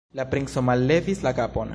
La princo mallevis la kapon.